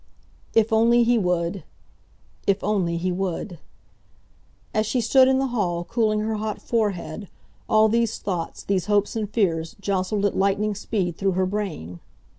If only he would! If only he would! As she stood in the hall, cooling her hot forehead, all these thoughts, these hopes and fears, jostled at lightning speed through her brain.